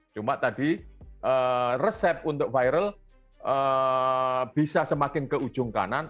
cuma tadi resep untuk viral bisa semakin ke ujung kanan